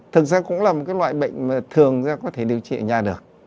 thực ra cũng là một cái loại bệnh mà thường ra có thể điều trị ở nhà được